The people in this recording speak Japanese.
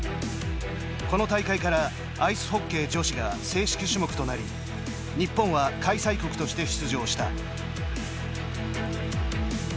この大会からアイスホッケー女子が正式種目となり日本は開催国として出場した。